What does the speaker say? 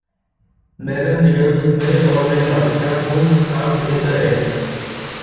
Mega needles may or may not have hooks carved in the ends.